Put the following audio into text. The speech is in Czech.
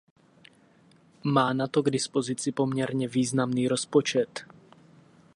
Má na to k dispozici poměrně významný rozpočet.